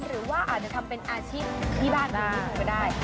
หรือว่าอาจจะทำเป็นอาชีพที่บ้านดูได้